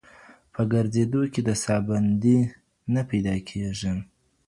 په ګرځېدو کي د ساه بندي نه پیدا کېږي.